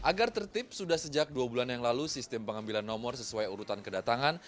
agar tertib sudah sejak dua bulan yang lalu sistem pengambilan nomor sesuai urutan kedatangan